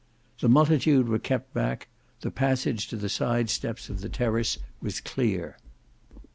The multitude were kept back, the passage to the side steps of the terrace was clear.